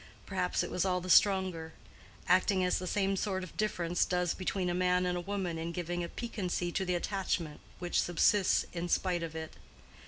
Perhaps it was all the stronger; acting as the same sort of difference does between a man and a woman in giving a piquancy to the attachment which subsists in spite of it.